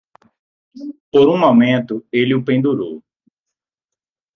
Por um momento ele o pendurou.